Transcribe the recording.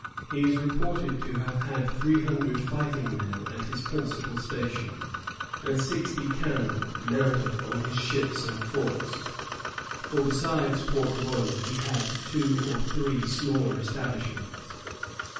He is reported to have had three hundred fighting men at his principal station, and sixty cannon mounted on his ships and forts; for besides Port Royal he had two or three smaller establishments.